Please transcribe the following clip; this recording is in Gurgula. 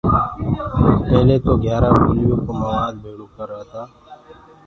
پيلي تو گھيٚيآرآ ٻوليو ڪو موآد ڀيݪو ڪرتآ۔